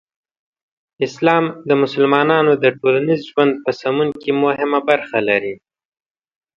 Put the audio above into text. اسلام د مسلمانانو د ټولنیز ژوند په سمون کې مهمه برخه لري.